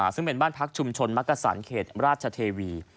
ซึ่งเป็นบ้านพักชุมชนมักกษันเขตราชเทวี